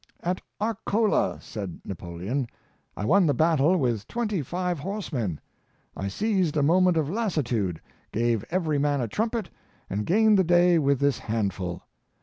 " At Areola," said Napoleon, ^' I won the battle with twenty five horse men. I seized a moment of lassitude, gave every man a trumpet, and gained the day with this handful.